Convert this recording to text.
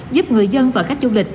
giúp người dân và khách du lịch